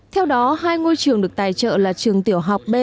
theo đó hai ngôi trường được tài trợ là trường tiểu học b